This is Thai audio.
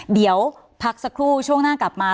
เดี๋ยวพักสักครู่ช่วงหน้ากลับมา